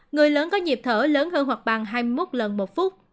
người lớn có nhịp thở lớn hơn hoặc bằng hai mươi một lần một phút